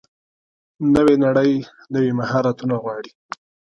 نوې نړۍ نوي مهارتونه غواړي.